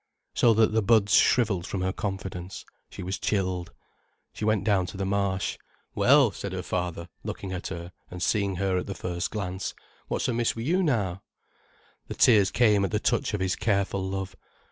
So that the buds shrivelled from her confidence, she was chilled. She went down to the Marsh. "Well," said her father, looking at her and seeing her at the first glance, "what's amiss wi' you now?" The tears came at the touch of his careful love.